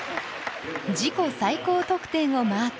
自己最高得点をマーク。